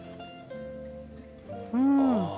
うん。